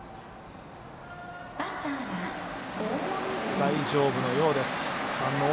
大丈夫のようです。